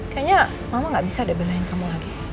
kayaknya mama gak bisa deh belahin kamu lagi